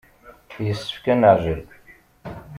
Yessefk ad neɛjel.